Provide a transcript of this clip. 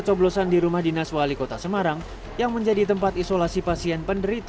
coblosan di rumah dinas wali kota semarang yang menjadi tempat isolasi pasien penderita